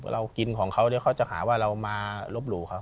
เรากินของเขาเดี๋ยวเขาจะหาว่าเรามาลบหลู่เขา